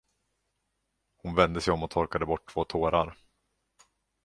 Hon vände sig om och torkade bort två tårar.